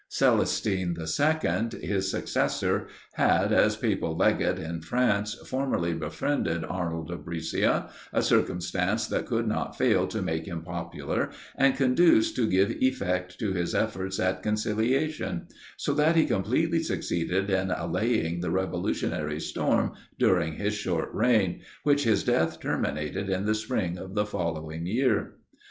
Celestine II., his successor, had, as papal legate in France, formerly befriended Arnold of Brescia: a circumstance that could not fail to make him popular, and conduce to give effect to his efforts at conciliation; so that he completely succeeded in allaying the revolutionary storm during his short reign, which his death terminated in the spring of the following year.